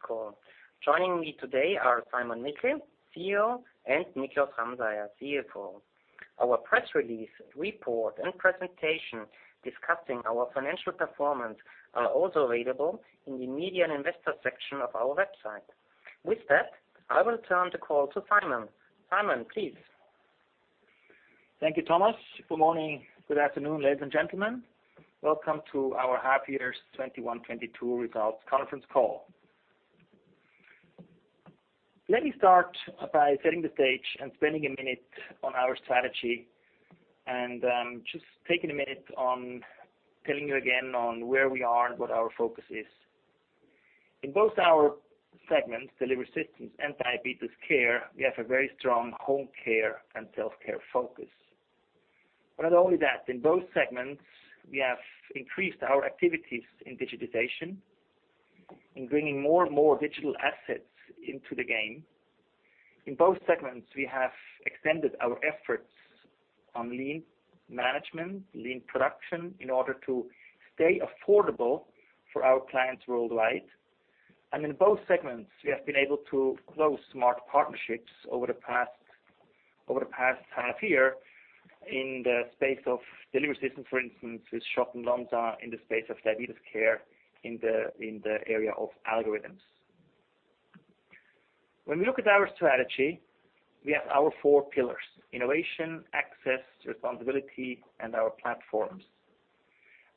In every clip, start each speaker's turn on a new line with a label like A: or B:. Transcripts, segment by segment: A: Call. Joining me today are Simon Michel, CEO, and Niklaus Ramseier, CFO. Our press release, report, and presentation discussing our financial performance are also available in the Media and Investor section of our website. With that, I will turn the call to Simon. Simon, please.
B: Thank you, Thomas. Good morning, good afternoon, ladies and gentlemen. Welcome to our half year’s 2021/2022 results conference call. Let me start by setting the stage and spending a minute on our strategy, and just taking a minute on telling you again on where we are and what our focus is. In both our segments, delivery systems and diabetes care, we have a very strong home care and self-care focus. Not only that, in both segments, we have increased our activities in digitization, in bringing more and more digital assets into the game. In both segments, we have extended our efforts on lean management, lean production in order to stay affordable for our clients worldwide. In both segments, we have been able to close smart partnerships over the past half year in the space of delivery systems, for instance, with SCHOTT and Lonza in the space of diabetes care in the area of algorithms. When we look at our strategy, we have our four pillars, innovation, access, responsibility, and our platforms.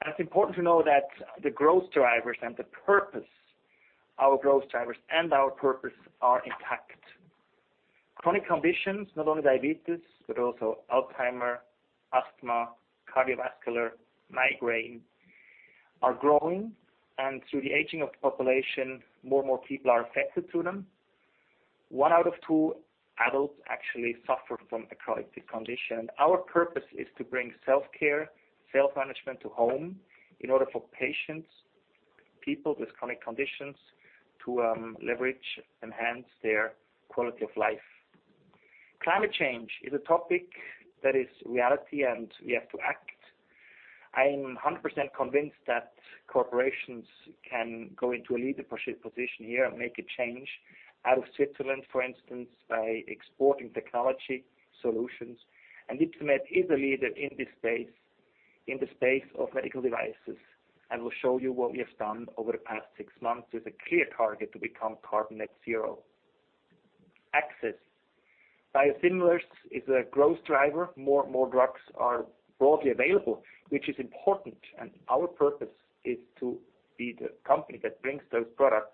B: It's important to know that the growth drivers and our purpose are intact. Chronic conditions, not only diabetes, but also Alzheimer, asthma, cardiovascular, migraine, are growing, and through the aging of the population, more and more people are affected to them. One out of two adults actually suffer from a chronic condition. Our purpose is to bring self-care, self-management to home in order for patients, people with chronic conditions to leverage, enhance their quality of life. Climate change is a topic that is reality, and we have to act. I am 100% convinced that corporations can go into a leader position here and make a change out of Switzerland, for instance, by exporting technology solutions. Ypsomed is a leader in this space, in the space of medical devices, and we'll show you what we have done over the past six months with a clear target to become net zero. Access to biosimilars is a growth driver. More drugs are broadly available, which is important. Our purpose is to be the company that brings those products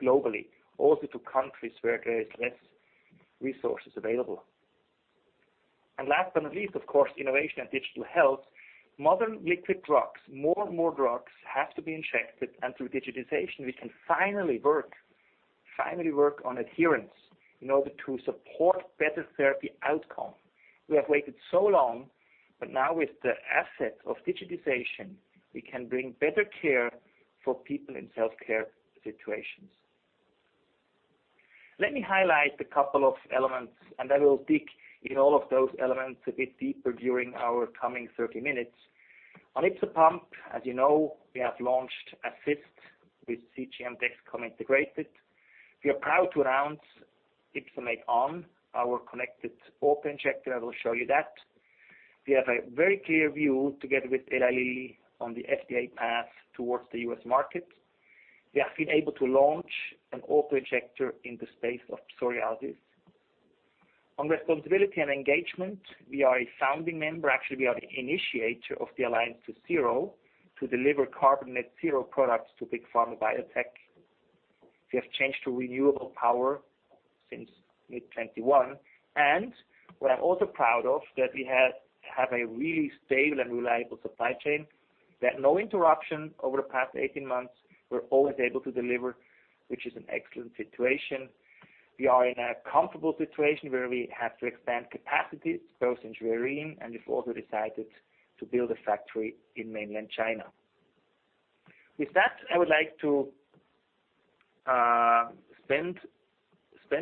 B: globally, also to countries where there is less resources available. Last but not least, of course, innovation and digital health. Modern liquid drugs, more and more drugs have to be injected, and through digitization, we can finally work on adherence in order to support better therapy outcome. We have waited so long, but now with the asset of digitization, we can bring better care for people in self-care situations. Let me highlight a couple of elements, and I will dig in all of those elements a bit deeper during our coming 30 minutes. On YpsoPump, as you know, we have launched Assist with CGM Dexcom integrated. We are proud to announce YpsoMate On, our connected auto-injector. I will show you that. We have a very clear view together with Eli Lilly on the FDA path towards the U.S. market. We have been able to launch an auto-injector in the space of psoriasis. On responsibility and engagement, we are a founding member. Actually, we are the initiator of the Alliance to Zero to deliver carbon at zero products to big pharma biotech. We have changed to renewable power since mid-2021, and we're also proud of that we have a really stable and reliable supply chain. We had no interruption over the past 18 months. We're always able to deliver, which is an excellent situation. We are in a comfortable situation where we have to expand capacity, both in Burgdorf, and we've also decided to build a factory in Mainland China. With that, I would like to spend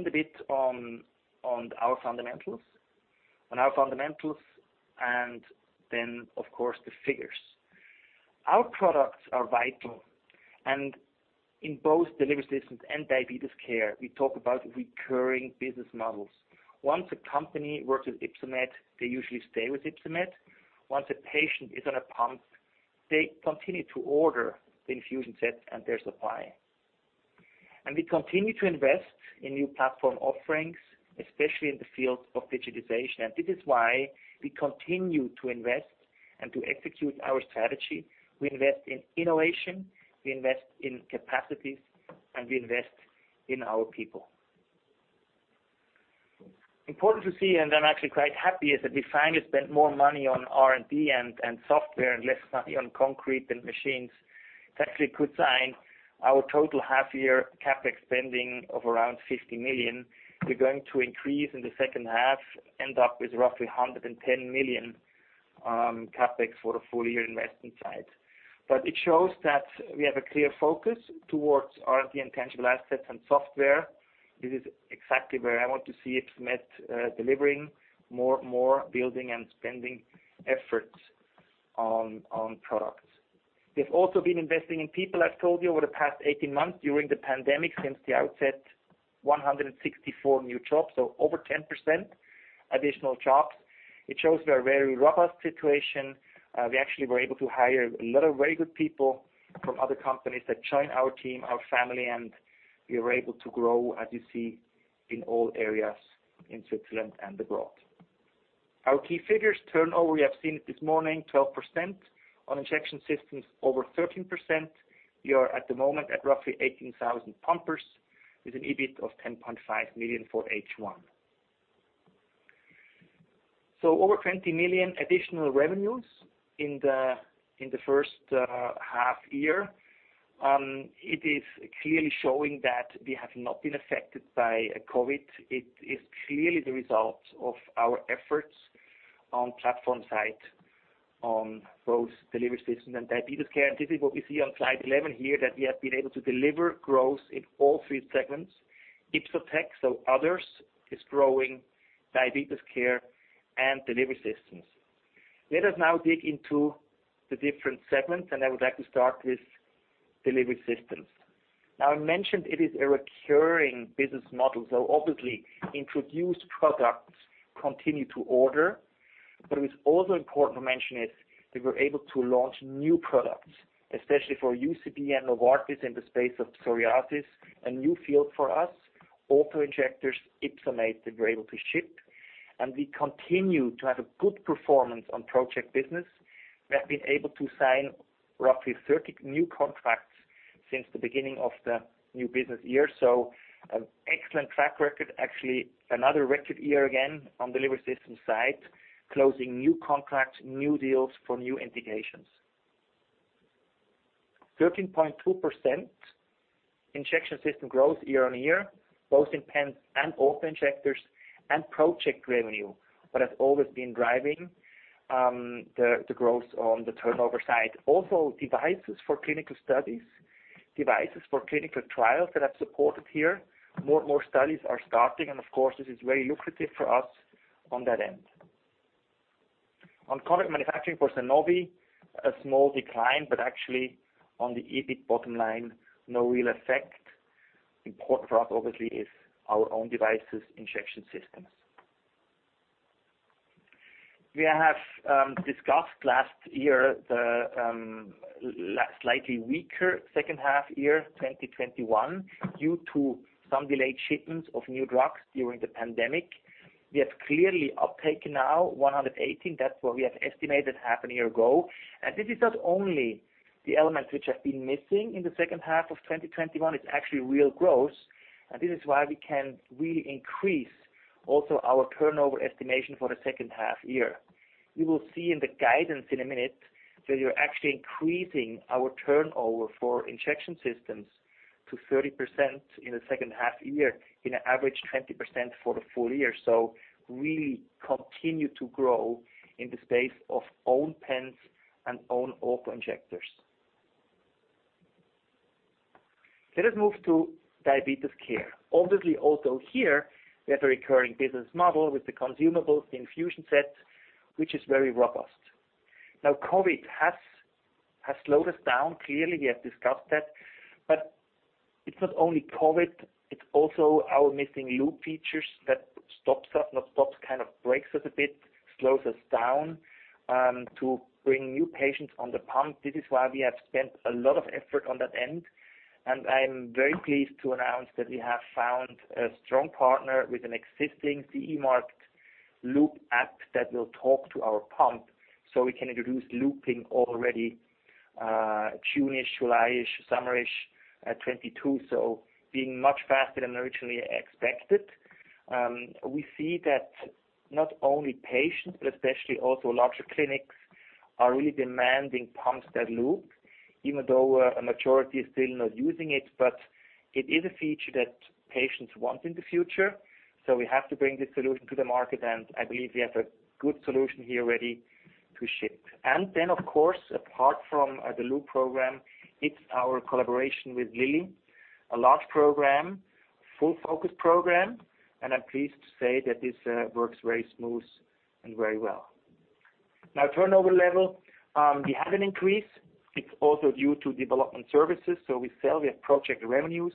B: a bit on our fundamentals, and then, of course, the figures. Our products are vital, and in both delivery systems and diabetes care, we talk about recurring business models. Once a company works with Ypsomed, they usually stay with Ypsomed. Once a patient is on a pump, they continue to order the infusion sets and their supply. We continue to invest in new platform offerings, especially in the field of digitization. This is why we continue to invest and to execute our strategy. We invest in innovation, we invest in capacities, and we invest in our people. Important to see, and I'm actually quite happy, is that we finally spent more money on R&D and software and less money on concrete and machines. It's actually a good sign. Our total half year CapEx spending of around 50 million, we're going to increase in the second half, end up with roughly 110 million CapEx for the full year investment side. It shows that we have a clear focus towards R&D intangible assets and software. This is exactly where I want to see Ypsomed delivering more building and spending efforts on products. We've also been investing in people, I've told you, over the past 18 months during the pandemic since the outset, 164 new jobs, so over 10% additional jobs. It shows we are very robust situation. We actually were able to hire a lot of very good people from other companies that join our team, our family, and we are able to grow, as you see, in all areas in Switzerland and abroad. Our key figures turnover, we have seen it this morning, 12%. On injection systems, over 13%. We are at the moment at roughly 18,000 pumpers with an EBIT of 10.5 million for H1. Over 20 million additional revenues in the first half year. It is clearly showing that we have not been affected by COVID. It is clearly the result of our efforts on platform side on both delivery system and diabetes care. This is what we see on slide 11 here, that we have been able to deliver growth in all three segments. Ypsotec, so others is growing Diabetes Care and Delivery Systems. Let us now dig into the different segments, and I would like to start with Delivery Systems. Now I mentioned it is a recurring business model, so obviously introduced products continue to order. It's also important to mention we were able to launch new products, especially for UCB and Novartis in the space of psoriasis, a new field for us, auto-injectors YpsoMate that we're able to ship. We continue to have a good performance on project business. We have been able to sign roughly 30 new contracts since the beginning of the new business year. An excellent track record, actually another record year again on delivery system side, closing new contracts, new deals for new indications. 13.2% injection system growth year-on-year, both in pens and auto-injectors and project revenue. Has always been driving the growth on the turnover side. Devices for clinical studies, devices for clinical trials that have supported here. More and more studies are starting, and of course this is very lucrative for us on that end. On contract manufacturing for Sanofi, a small decline, but actually on the EBIT bottom line, no real effect. Important for us obviously is our own devices, injection systems. We have discussed last year the slightly weaker second half year, 2021, due to some delayed shipments of new drugs during the pandemic. We have clearly uptake now 118. That's what we have estimated half a year ago. This is not only the elements which have been missing in the second half of 2021, it's actually real growth. This is why we can really increase also our turnover estimation for the second half year. You will see in the guidance in a minute that we're actually increasing our turnover for injection systems to 30% in the second half year on average 20% for the full year. Really continue to grow in the space of own pens and own auto-injectors. Let us move to diabetes care. Obviously, also here, we have a recurring business model with the consumables, the infusion sets, which is very robust. Now, COVID has slowed us down. Clearly, we have discussed that. But it's not only COVID, it's also our missing loop features that slows us down to bring new patients on the pump. This is why we have spent a lot of effort on that end. I'm very pleased to announce that we have found a strong partner with an existing CE mark loop app that will talk to our pump, so we can introduce looping already June-ish, July-ish, summer-ish 2022. Being much faster than originally expected. We see that not only patients, but especially also larger clinics are really demanding pumps that loop, even though a majority is still not using it. It is a feature that patients want in the future. We have to bring this solution to the market, and I believe we have a good solution here ready to ship. Of course, apart from the loop program, it's our collaboration with Eli Lilly, a large program, full focus program. I'm pleased to say that this works very smooth and very well. Now turnover level, we have an increase. It's also due to development services. We sell, we have project revenues.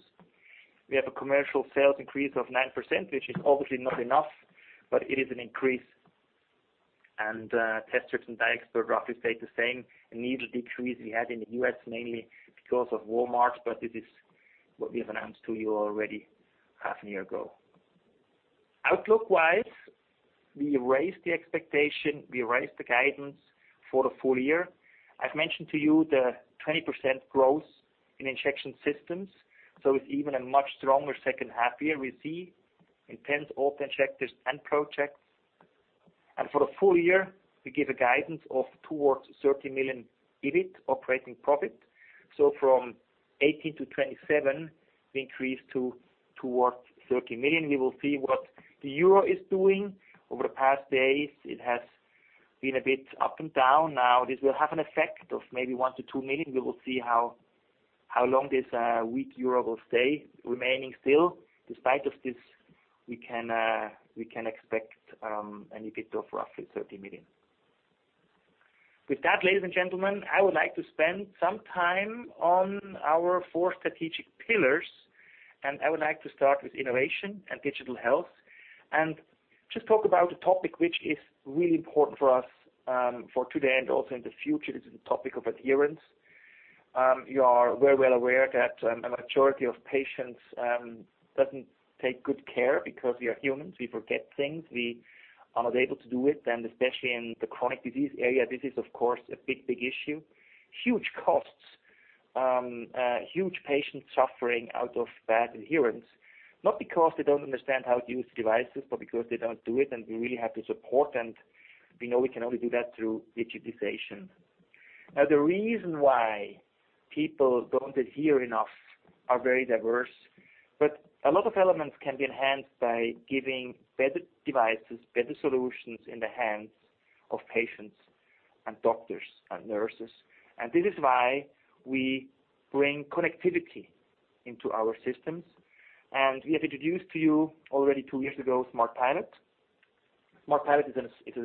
B: We have a commercial sales increase of 9%, which is obviously not enough, but it is an increase. Test strips and diagnostics roughly stayed the same. A needle decrease we had in the U.S. mainly because of Walmart, but this is what we have announced to you already half a year ago. Outlook-wise, we raised the expectation, we raised the guidance for the full year. I've mentioned to you the 20% growth in injection systems. It's even a much stronger second half year we see in pens, auto-injectors and projects. For the full year, we give a guidance of towards 30 million EBIT operating profit. From 18 million-27 million, we increase to towards 30 million. We will see what the euro is doing. Over the past days, it has been a bit up and down. Now this will have an effect of maybe 1 million-2 million. We will see how long this weak euro will stay remaining still. Despite of this, we can expect an EBITDA of roughly 30 million. With that, ladies and gentlemen, I would like to spend some time on our four strategic pillars, and I would like to start with innovation and digital health and just talk about a topic which is really important for us, for today and also in the future. This is the topic of adherence. You are very well aware that a majority of patients doesn't take good care because we are humans, we forget things, we are not able to do it. Then especially in the chronic disease area, this is of course a big, big issue. Huge costs, huge patient suffering out of bad adherence. Not because they don't understand how to use devices, but because they don't do it, and we really have to support them. We know we can only do that through digitization. Now, the reason why people don't adhere enough are very diverse, but a lot of elements can be enhanced by giving better devices, better solutions in the hands of patients, and doctors, and nurses. This is why we bring connectivity into our systems. We have introduced to you already two years ago, SmartPilot. SmartPilot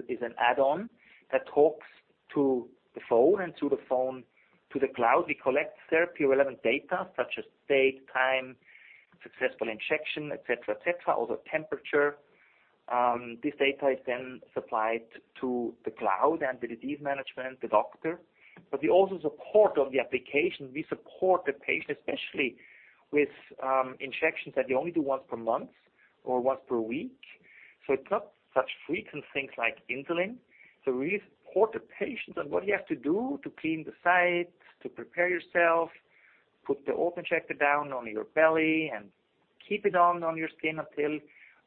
B: is an add-on that talks to the phone and to the phone to the cloud. We collect therapy relevant data such as date, time, successful injection, et cetera. Also temperature. This data is then supplied to the cloud and the disease management, the doctor. We also support on the application. We support the patient, especially with injections that you only do once per month or once per week. It's not such frequent things like insulin. We support the patient on what he has to do to clean the site, to prepare yourself, put the auto-injector down on your belly and keep it on your skin until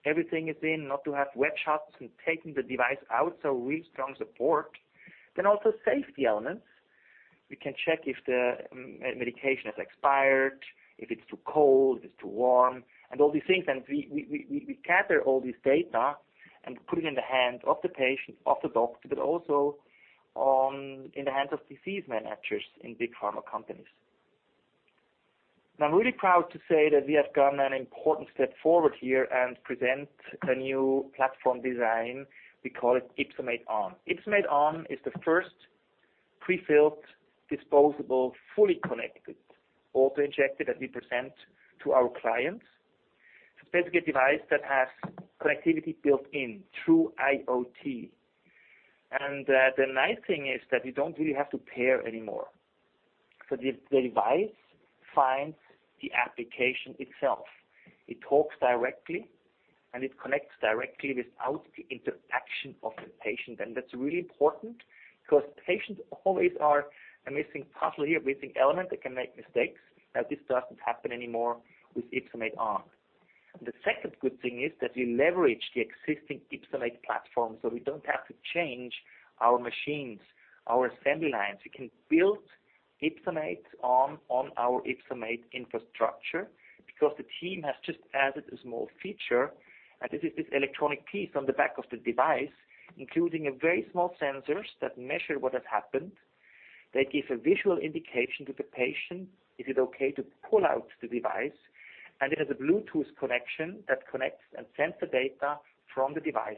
B: everything is in, not to have wet shots and taking the device out. Really strong support. Also safety elements. We can check if the medication has expired, if it's too cold, if it's too warm, and all these things. We gather all this data and put it in the hands of the patient, of the doctor, but also in the hands of disease managers in big pharma companies. I'm really proud to say that we have gone an important step forward here and present a new platform design. We call it YpsoMate On. YpsoMate On is the first prefilled disposable, fully connected auto-injector that we present to our clients. It's a basic device that has connectivity built in through IoT. The nice thing is that you don't really have to pair anymore. The device finds the application itself. It talks directly, and it connects directly without the interaction of the patient. That's really important because patients always are a missing puzzle here, a missing element that can make mistakes. Now this doesn't happen anymore with YpsoMate On. The second good thing is that we leverage the existing YpsoMate platform, so we don't have to change our machines, our assembly lines. We can build YpsoMate On on our YpsoMate infrastructure because the team has just added a small feature. This is the electronic piece on the back of the device, including a very small sensors that measure what has happened. They give a visual indication to the patient if it's okay to pull out the device. It has a Bluetooth connection that connects and sends the data from the device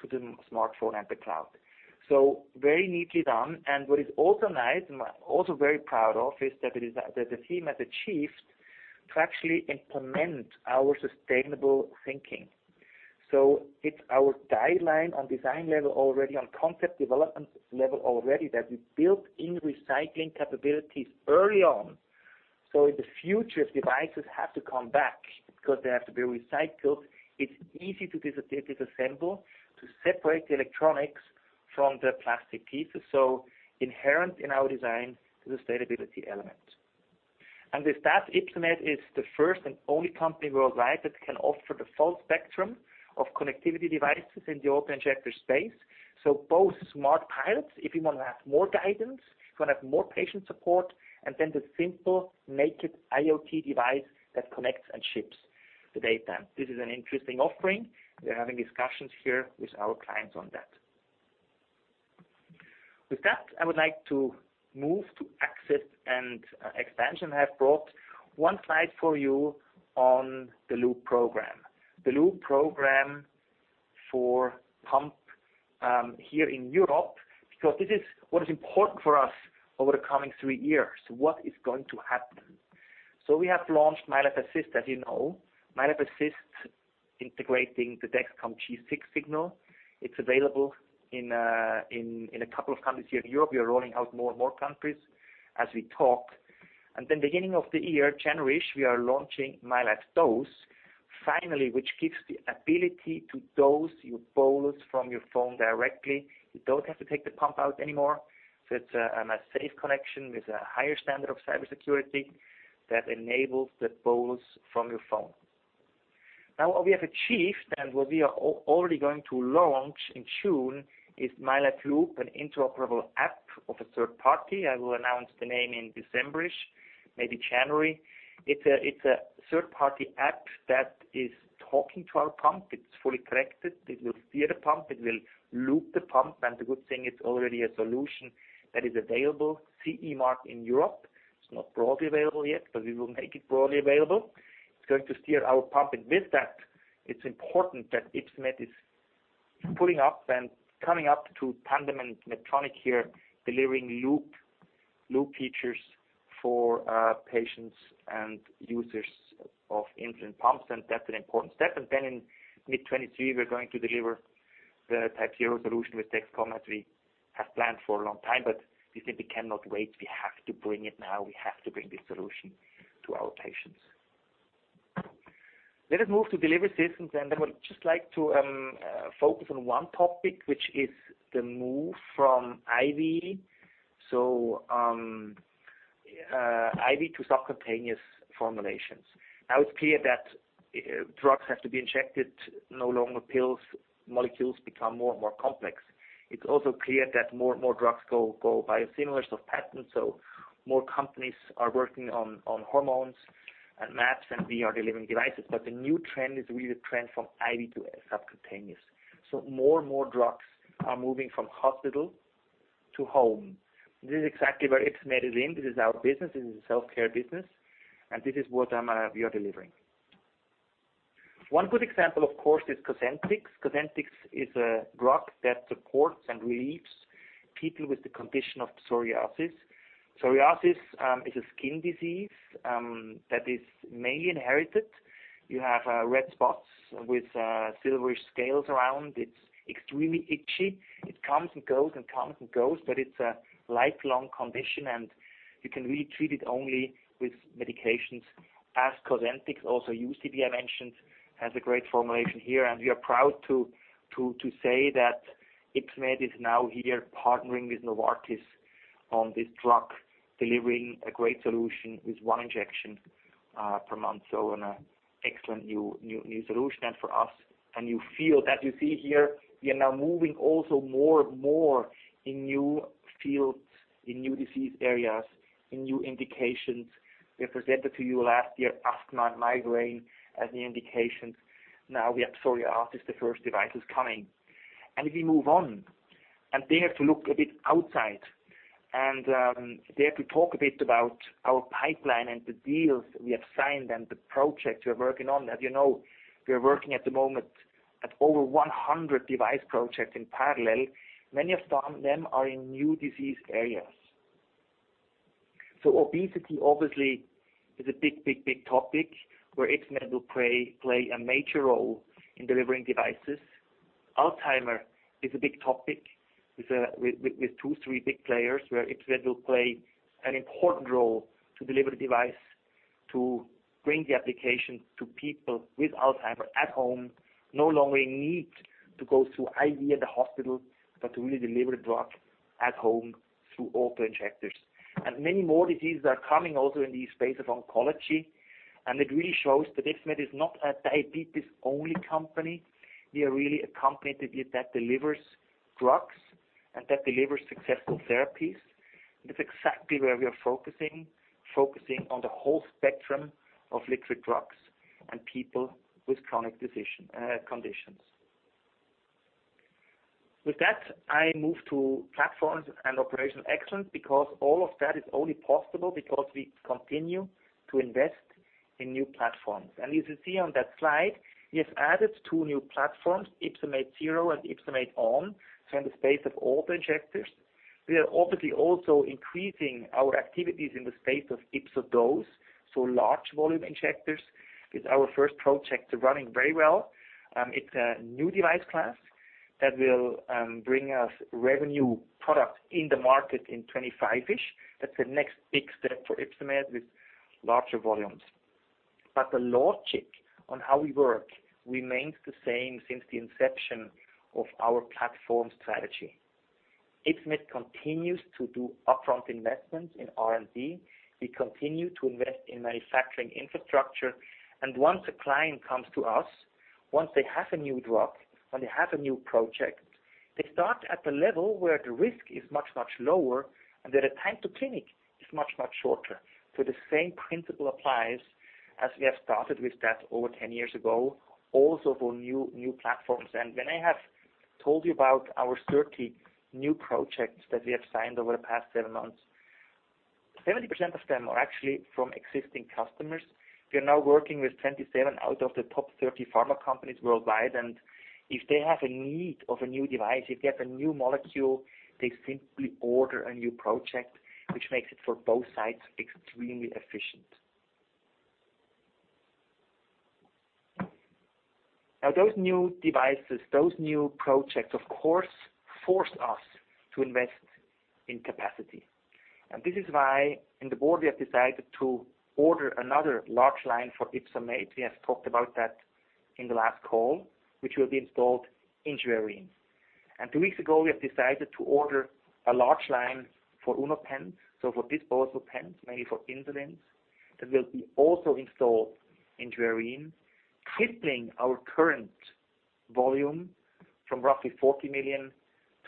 B: to the smartphone and the cloud. Very neatly done. What is also nice and I'm also very proud of is that the team has achieved to actually implement our sustainable thinking. It's our guideline on design level already, on concept development level already, that we built-in recycling capabilities early on. In the future, if devices have to come back because they have to be recycled, it's easy to disassemble, to separate the electronics from the plastic pieces. Inherent in our design is the sustainability element. With that, Ypsomed is the first and only company worldwide that can offer the full spectrum of connectivity devices in the autoinjector space. Both SmartPilot, if you want to have more guidance, if you want to have more patient support, and then the simple naked IoT device that connects and ships the data. This is an interesting offering. We are having discussions here with our clients on that. With that, I would like to move to access and expansion. I have brought one slide for you on the mylife Loop. The mylife Loop program for pump here in Europe, because this is what is important for us over the coming three years. What is going to happen. We have launched mylife Assist, as you know. mylife Assist integrating the Dexcom G6 signal. It's available in a couple of countries here in Europe. We are rolling out more and more countries as we talk. Beginning of the year, January-ish, we are launching mylife Dose, finally, which gives the ability to dose your bolus from your phone directly. You don't have to take the pump out anymore. It's a safe connection with a higher standard of cybersecurity that enables the bolus from your phone. What we have achieved and what we are already going to launch in June is mylife Loop, an interoperable app of a third party. I will announce the name in December-ish, maybe January. It's a third party app that is talking to our pump. It's fully connected. It will steer the pump, it will loop the pump. The good thing, it's already a solution that is available CE mark in Europe. It's not broadly available yet, but we will make it broadly available. It's going to steer our pump. It's important that Ypsomed is pulling up and coming up to Tandem and Medtronic here delivering loop features for patients and users of insulin pumps, and that's an important step. In mid 2023, we're going to deliver the TypeZero solution with Dexcom, as we have planned for a long time. We think we cannot wait. We have to bring it now. We have to bring this solution to our patients. Let us move to delivery systems, and I would just like to focus on one topic, which is the move from IV to subcutaneous formulations. Now it's clear that drugs have to be injected, no longer pills. Molecules become more and more complex. It's also clear that more and more drugs go biosimilars of patents, so more companies are working on hormones and MAbs, and we are delivering devices. The new trend is really the trend from IV to subcutaneous. More and more drugs are moving from hospital to home. This is exactly where Ypsomed is in. This is our business. This is a self-care business, and this is what we are delivering. One good example, of course, is COSENTYX. COSENTYX is a drug that supports and relieves people with the condition of psoriasis. Psoriasis is a skin disease that is mainly inherited. You have red spots with silvery scales around. It's extremely itchy. It comes and goes, but it's a lifelong condition, and you can really treat it only with medications such as COSENTYX. UCB mentioned has a great formulation here, and we are proud to say that Ypsomed is now here partnering with Novartis on this drug, delivering a great solution with one injection per month. On an excellent new solution. For us, a new field that you see here, we are now moving also more and more in new fields, in new disease areas, in new indications. We have presented to you last year, asthma and migraine as the indications. Now we have psoriasis, the first device is coming. If we move on, and dare to look a bit outside and dare to talk a bit about our pipeline and the deals we have signed and the projects we are working on. As you know, we are working at the moment at over 100 device projects in parallel. Many of them are in new disease areas. Obesity obviously is a big topic where Ypsomed will play a major role in delivering devices. Alzheimer is a big topic with two to three big players, where Ypsomed will play an important role to deliver the device, to bring the application to people with Alzheimer at home. People no longer need to go through IV at the hospital, but to really deliver the drug at home through auto-injectors. Many more diseases are coming also in the space of oncology, and it really shows that Ypsomed is not a diabetes-only company. We are really a company that delivers drugs and that delivers successful therapies. That's exactly where we are focusing on the whole spectrum of liquid drugs and people with chronic conditions. With that, I move to platforms and operational excellence because all of that is only possible because we continue to invest in new platforms. As you see on that slide, we have added two new platforms, YpsoMate Zero and YpsoMate On. In the space of auto-injectors, we are obviously also increasing our activities in the space of YpsoDose. Large volume injectors is our first project, running very well. It's a new device class that will bring us revenue product in the market in 2025-ish. That's the next big step for Ypsomed with larger volumes. The logic on how we work remains the same since the inception of our platform strategy. Ypsomed continues to do upfront investments in R&D. We continue to invest in manufacturing infrastructure. Once a client comes to us, once they have a new drug, when they have a new project, they start at the level where the risk is much, much lower, and their time to clinic is much, much shorter. The same principle applies as we have started with that over 10 years ago, also for new platforms. When I have told you about our 30 new projects that we have signed over the past seven months, 70% of them are actually from existing customers. We are now working with 27 out of the top 30 pharma companies worldwide, and if they have a need of a new device, if they have a new molecule, they simply order a new project, which makes it, for both sides, extremely efficient. Now, those new devices, those new projects, of course, force us to invest in capacity. This is why in the board, we have decided to order another large line for Ypsomed. We have talked about that in the last call, which will be installed in Schwerin. Two weeks ago, we have decided to order a large line for UnoPen, so for disposable pens, mainly for insulin, that will be also installed in Schwerin, tripling our current volume from roughly 40 million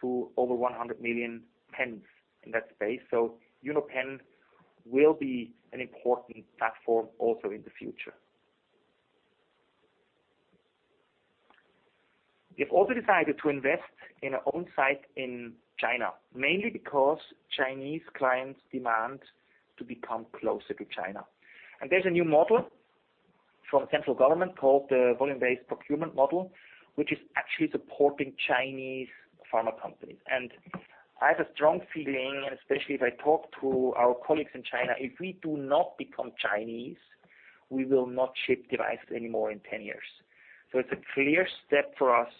B: to over 100 million pens in that space. UnoPen will be an important platform also in the future. We have also decided to invest in our own site in China, mainly because Chinese clients demand to become closer to China. There's a new model from central government called the volume-based procurement model, which is actually supporting Chinese pharma companies. I have a strong feeling, and especially if I talk to our colleagues in China, if we do not become Chinese, we will not ship devices anymore in 10 years. It's a clear step for us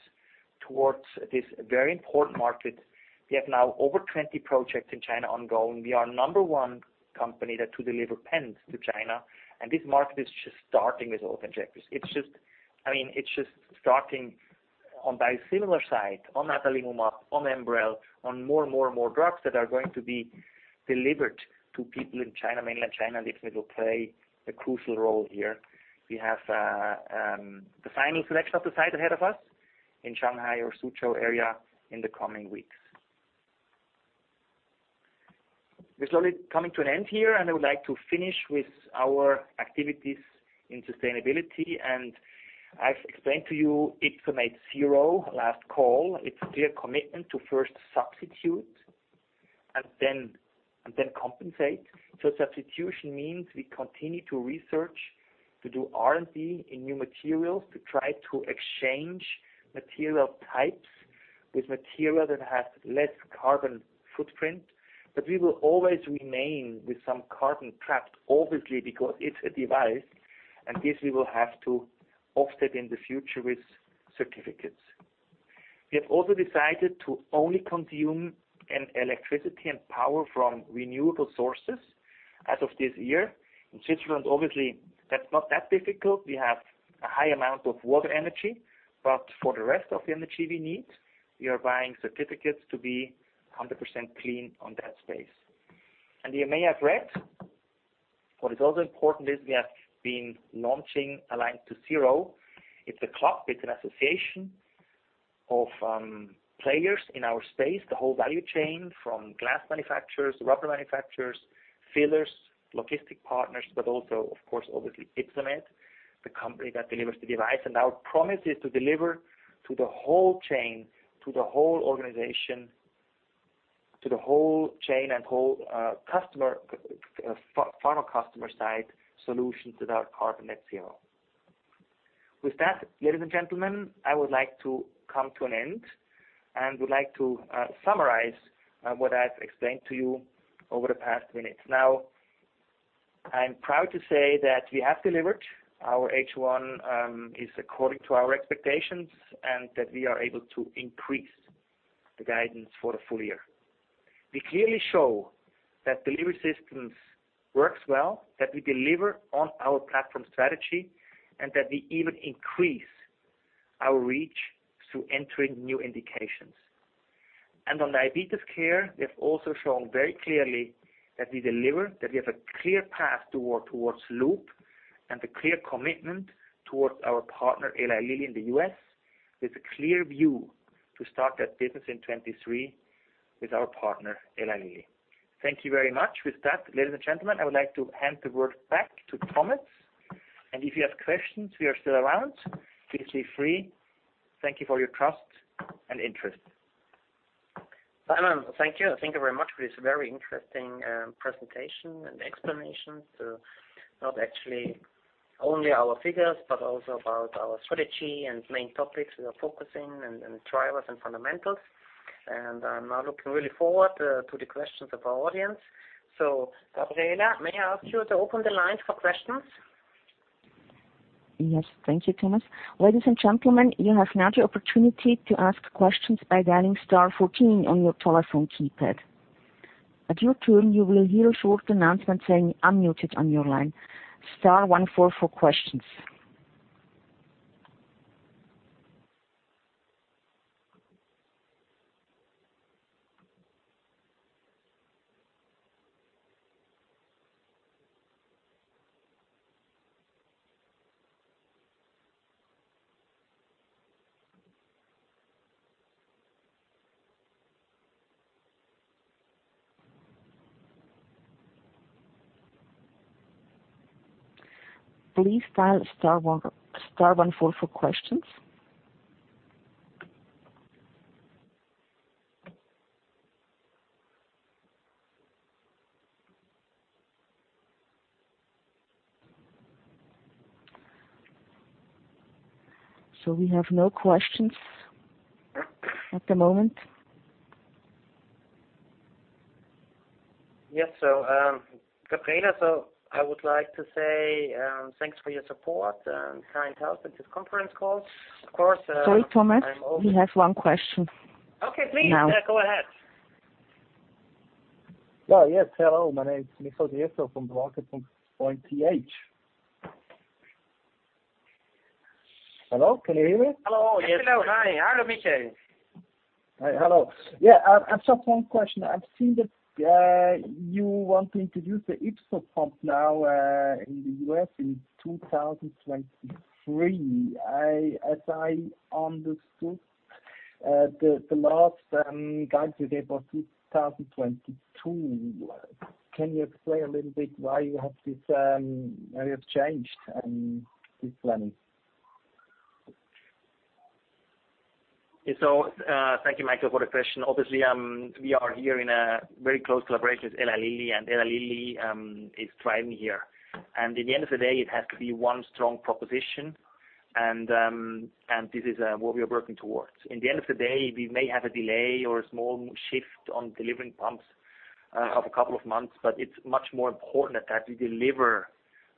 B: towards this very important market. We have now over 20 projects in China ongoing. We are number one company that to deliver pens to China, and this market is just starting with open checklist. It's just, I mean, it's just starting on biosimilar side, on natalizumab, on Enbrel, on more and more and more drugs that are going to be delivered to people in China, Mainland China. Ypsomed will play a crucial role here. We have the final selection of the site ahead of us in Shanghai or Suzhou area in the coming weeks. We're slowly coming to an end here, and I would like to finish with our activities in sustainability. I've explained to you Ypsomed Zero last call. It's a clear commitment to first substitute and then compensate. Substitution means we continue to research, to do R&D in new materials, to try to exchange material types with material that has less carbon footprint. We will always remain with some carbon trapped, obviously, because it's a device, and this we will have to offset in the future with certificates. We have also decided to only consume electricity and power from renewable sources as of this year. In Switzerland, obviously, that's not that difficult. We have a high amount of water energy, but for the rest of the energy we need, we are buying certificates to be 100% clean on that space. You may have read what is also important is we have been launching Alliance to Zero. It's a club, it's an association of players in our space, the whole value chain from glass manufacturers, rubber manufacturers, fillers, logistics partners, but also of course, obviously Ypsomed, the company that delivers the device. Our promise is to deliver to the whole chain, to the whole organization, to the whole chain and whole customer pharma customer side solutions without carbon net zero. With that, ladies and gentlemen, I would like to come to an end and would like to summarize what I've explained to you over the past minutes. Now, I'm proud to say that we have delivered. Our H1 is according to our expectations and that we are able to increase the guidance for the full year. We clearly show that delivery systems works well, that we deliver on our platform strategy and that we even increase our reach through entering new indications. On diabetes care, we have also shown very clearly that we deliver, that we have a clear path towards Loop and a clear commitment towards our partner, Eli Lilly in the U.S., with a clear view to start that business in 2023 with our partner, Eli Lilly. Thank you very much. With that, ladies and gentlemen, I would like to hand the word back to Thomas. If you have questions, we are still around. Please feel free. Thank you for your trust and interest.
A: Simon, thank you. Thank you very much for this very interesting presentation and explanation to not actually only our figures, but also about our strategy and main topics we are focusing and drivers and fundamentals. I'm now looking really forward to the questions of our audience. Gabriela, may I ask you to open the lines for questions?
C: Yes, thank you, Thomas. Ladies and gentlemen, you have now the opportunity to ask questions by dialing star fourteen on your telephone keypad. At your turn, you will hear a short announcement saying unmuted on your line. Star one four for questions. Please dial star one four for questions. We have no questions at the moment.
A: Yes. Gabriela, so I would like to say, thanks for your support and kind help with this conference call. Of course,
C: Sorry, Thomas. We have one question.
A: Okay, please.
C: Now.
A: Go ahead.
D: Well, yes. Hello. My name is Michael Riester from Broker.ch. Hello, can you hear me?
A: Hello. Hello. Hi. Hi, Michael.
D: Hi. Hello. Yeah, I just one question. I've seen that you want to introduce the YpsoPump now in the U.S. in 2023. As I understood, the last guidance today was 2022. Can you explain a little bit why you have this, why you have changed this planning?
B: Thank you Michael for the question. Obviously, we are here in a very close collaboration with Eli Lilly, and Eli Lilly is driving here. At the end of the day, it has to be one strong proposition and this is what we are working towards. In the end of the day, we may have a delay or a small shift on delivering pumps of a couple of months, but it's much more important that we deliver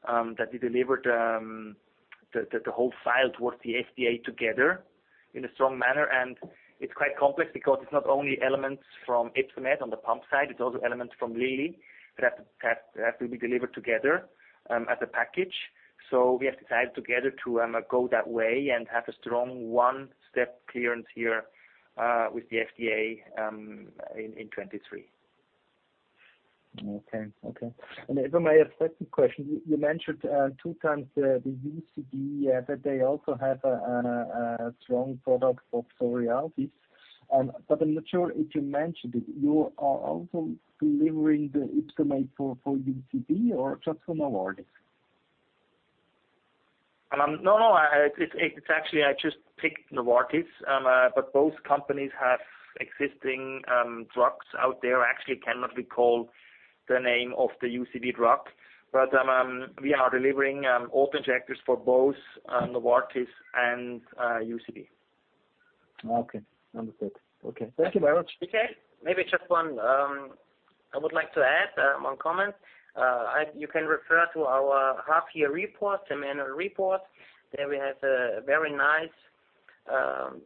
B: the whole file towards the FDA together in a strong manner. It's quite complex because it's not only elements from Ypsomed on the pump side, it's also elements from Eli Lilly that have to be delivered together as a package. We have decided together to go that way and have a strong one-step clearance here with the FDA in 2023.
D: If I may ask second question. You mentioned two times the UCB that they also have a strong product for psoriasis. But I'm not sure if you mentioned it. You are also delivering the Ypsomed for UCB or just for Novartis?
B: No. It's actually I just picked Novartis. Both companies have existing drugs out there. Actually, I cannot recall the name of the UCB drug, but we are delivering auto-injectors for both Novartis and UCB.
D: Okay. Understood. Okay. Thank you very much.
B: Okay. Maybe just one, I would like to add one comment. You can refer to our half-year report, semi-annual report. There we have a very nice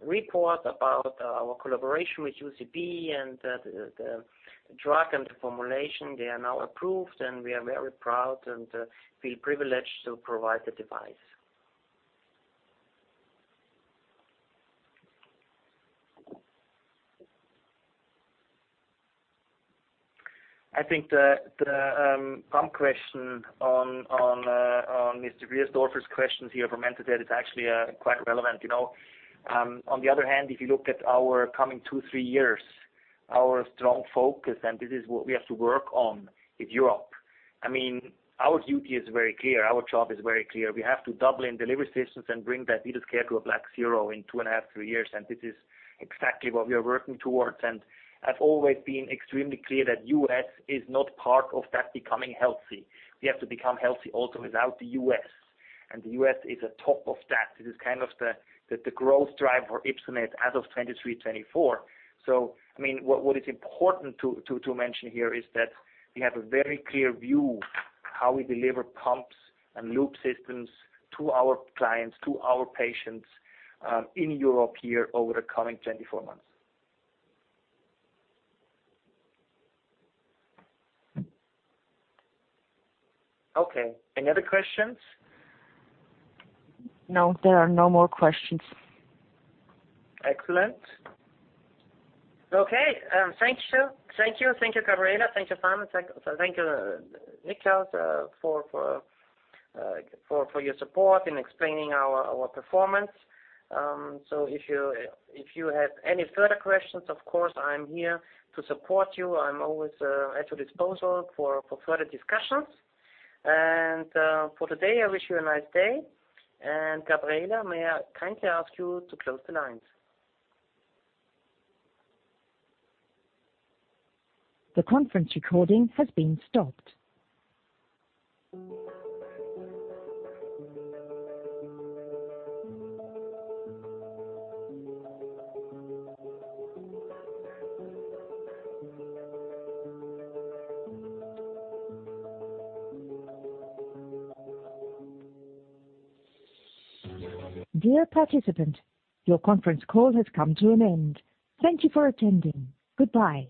B: report about our collaboration with UCB and the drug and the formulation. They are now approved, and we are very proud and feel privileged to provide the device. I think the pump question on Mr. Riester's questions here from [MainFirst] is actually quite relevant, you know. On the other hand, if you look at our coming two, three years, our strong focus, and this is what we have to work on, is Europe. I mean, our duty is very clear, our job is very clear. We have to double in delivery systems and bring diabetes care to net zero in two and a half, three years. This is exactly what we are working towards. I've always been extremely clear that U.S. is not part of that becoming healthy. We have to become healthy also without the U.S. The U.S. is on top of that. It is kind of the growth driver for Ypsomed as of 2023, 2024. I mean, what is important to mention here is that we have a very clear view how we deliver pumps and loop systems to our clients, to our patients, in Europe here over the coming 24 months. Okay. Any other questions?
C: No, there are no more questions.
B: Excellent. Okay. Thank you, Gabriela. Thank you, Thomas. Thank you, Michael, for your support in explaining our performance. So if you have any further questions, of course, I'm here to support you. I'm always at your disposal for further discussions. For today, I wish you a nice day. Gabriela, may I kindly ask you to close the lines.
C: The conference recording has been stopped. Dear participant, your conference call has come to an end. Thank you for attending. Goodbye.